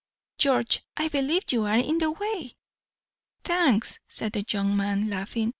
"George, I believe you are in the way." "Thanks!" said the young man, laughing.